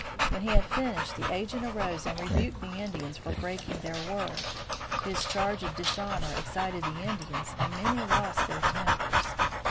When he had finished, the agent arose and rebuked the Indians for breaking their word. His charge of dishonor excited the Indians and many lost their tempers.